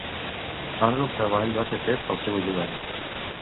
Part del treball va ser fet pel seu ajudant.